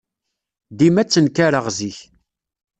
Dima ttenkareɣ zik.